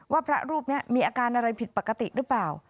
พระรูปนี้มีอาการอะไรผิดปกติหรือเปล่า